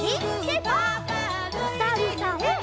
おさるさん。